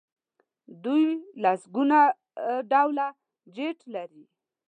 دوی لسګونه ډوله جیټ لري.